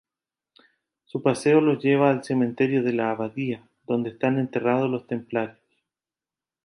Su paseo los lleva al cementerio de la abadía donde están enterrados los templarios.